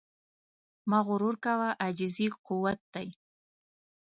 مه غرور کوه، عاجزي قوت دی.